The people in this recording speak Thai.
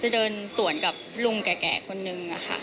จะเดินสวนกับลุงแก่คนนึงค่ะ